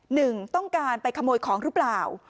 หนึ่งต้องการไปขโมยของหรือเปล่า